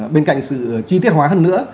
bên cạnh sự chi tiết hóa hơn nữa